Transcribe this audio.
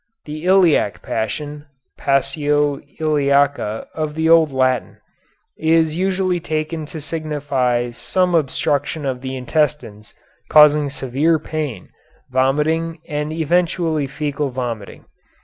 The iliac passion, passio iliaca of the old Latin, is usually taken to signify some obstruction of the intestines causing severe pain, vomiting, and eventually fecal vomiting.